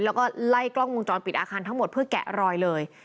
แล้วก็ไล่กล้องวงจรปิดอาคารทั้งหมดเพื่อแกะรอยเลย